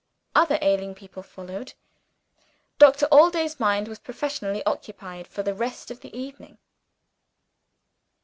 Other ailing people followed. Doctor Allday's mind was professionally occupied for the rest of the evening.